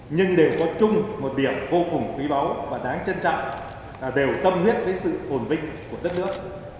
nhưng đều có chung một điểm vô cùng quý báu và đáng trân trọng đều tâm huyết với sự phồn vinh của đất nước